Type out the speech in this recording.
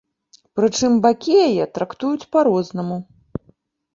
Прычым бакі яе трактуюць па-рознаму.